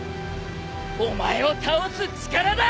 お前を倒す力だ！